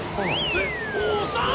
えっおっさん！？